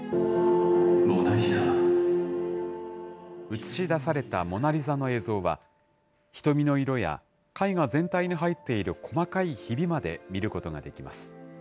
映し出されたモナ・リザの映像は、瞳の色や絵画全体に入っている細かいひびまで見ることができます。